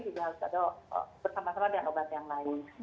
juga harus ada bersama sama dengan obat yang lain